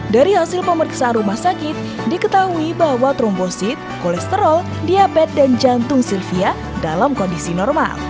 dari hasil pemeriksaan rumah sakit diketahui bahwa trombosit kolesterol diabetes dan jantung sylvia dalam kondisi normal